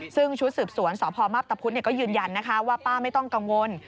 ซึ่งชุดสืบสวนสพมับตะพุทธก็ยืนยันนะคะว่าป้าไม่ต้องกังวล